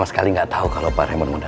pangeran gak ngasih kado apa apa buat dia